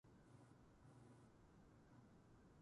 川の流れが速い。